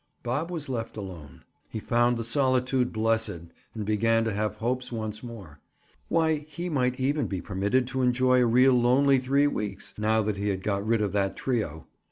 Bob was left alone. He found the solitude blessed and began to have hopes once more. Why, he might even be permitted to enjoy a real lonely three weeks, now that he had got rid of that trio.